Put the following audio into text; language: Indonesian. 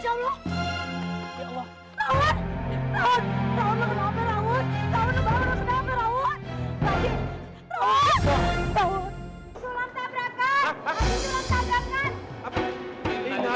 lu anaknya terkena ya